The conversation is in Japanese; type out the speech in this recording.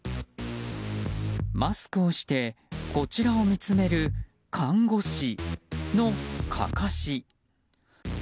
マスクをしてこちらを見つめる看護師のかかし。